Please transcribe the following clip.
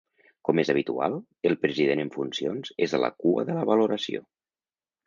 Com és habitual, el president en funcions és a la cua de la valoració.